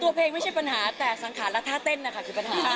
เพลงไม่ใช่ปัญหาแต่สังขารและท่าเต้นนะคะคือปัญหา